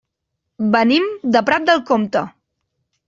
Venim de Prat de Comte.